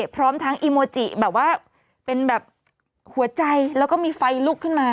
พร้อมทั้งอีโมจิแบบว่าเป็นแบบหัวใจแล้วก็มีไฟลุกขึ้นมา